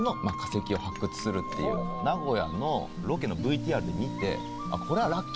名古屋のロケのＶＴＲで見て。